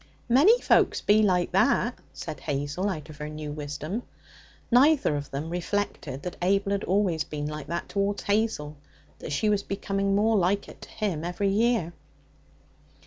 'Many folks be like that,' said Hazel out of her new wisdom. Neither of them reflected that Abel had always been like that towards Hazel, that she was becoming more like it to him every year.